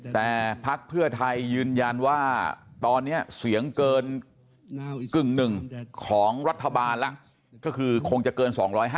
แต่พักเพื่อไทยยืนยันว่าตอนนี้เสียงเกินกึ่งหนึ่งของรัฐบาลแล้วก็คือคงจะเกิน๒๕๐